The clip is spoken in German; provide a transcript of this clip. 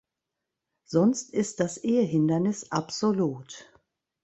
Sonst ist das Ehehindernis absolut.